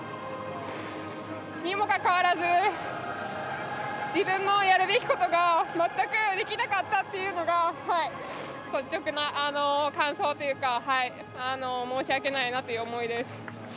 にもかかわらず自分のやるべきことが全くできなかったというのが率直な感想というか申し訳ないなという思いです。